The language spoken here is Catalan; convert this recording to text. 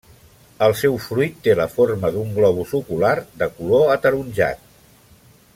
El seu fruit té la forma d'un globus ocular de color ataronjat.